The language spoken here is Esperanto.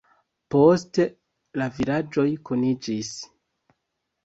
Poste la vilaĝoj kuniĝis.